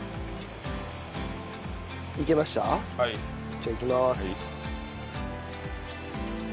じゃあいきまーす。